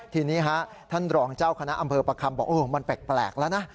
ทีนี้ฮะท่านรองเจ้าคณะอำเภอประคำบอกมันแปลกแล้วนะ